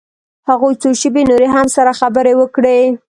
هغوى څو شېبې نورې هم سره خبرې وکړې.